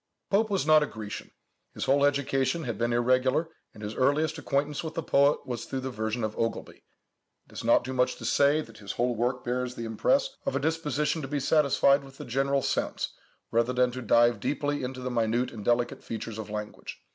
Pope was not a Grecian. His whole education had been irregular, and his earliest acquaintance with the poet was through the version of Ogilby. It is not too much to say that his whole work bears the impress of a disposition to be satisfied with the general sense, rather than to dive deeply into the minute and delicate features of language.